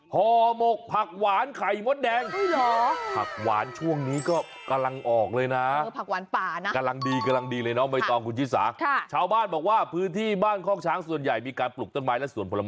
หน้าแรงแบบนี้ครับ